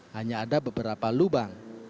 hanya ada beberapa lubang